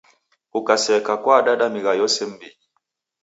Kukaseka kwaadada migha yose m'mbinyi.